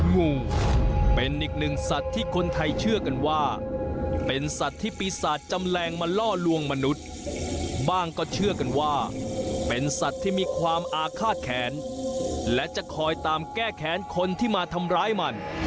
งูเป็นอีกหนึ่งสัตว์ที่คนไทยเชื่อกันว่าเป็นสัตว์ที่ปีศาจจำแรงมาล่อลวงมนุษย์บ้างก็เชื่อกันว่าเป็นสัตว์ที่มีความอาฆาตแขนและจะคอยตามแก้แค้นคนที่มาทำร้ายมัน